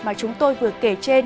mà chúng tôi vừa kể trên